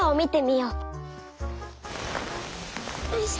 「よいしょ」。